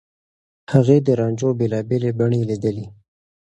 هغې د رانجو بېلابېلې بڼې ليدلي.